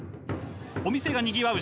お店がにぎわう